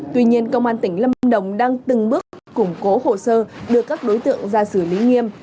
tuy nhiên công an tỉnh lâm đồng đang từng bước củng cố hồ sơ đưa các đối tượng ra xử lý nghiêm